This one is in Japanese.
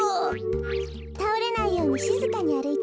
たおれないようにしずかにあるいてね。